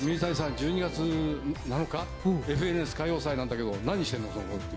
１２月７日は「ＦＮＳ歌謡祭」なんだけど何してるのって。